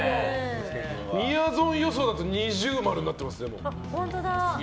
みやぞん予想だと二重丸になっていますね。